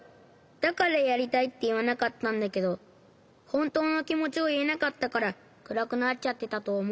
だからやりたいっていわなかったんだけどほんとうのきもちをいえなかったからくらくなっちゃってたとおもう。